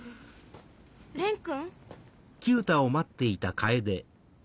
・蓮君？